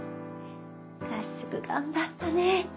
合宿頑張ったね。